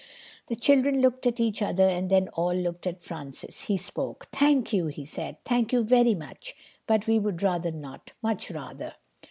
The children looked at each other, and then all looked at Francis. He spoke. "Thank you," he said. "Thank you very much, but we would rather not—much rather."